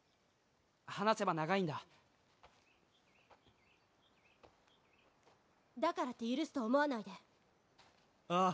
話せば長いんだだからって許すと思わないでああ